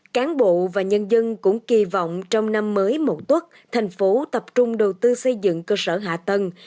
cán bộ và nhân dân cũng kỳ vọng trong năm mới một tuần thành phố tập trung đầu tư xây dựng cơ sở hạ tầng